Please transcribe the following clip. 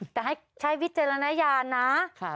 แต่ให้ใช้วิจารณญาณนะ